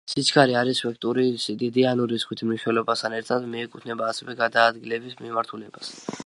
სიჩქარე არის ვექტორული სიდიდე, ანუ რიცხვით მნიშვნელობასთან ერთად მიუთითებს ასევე გადაადგილების მიმართულებას.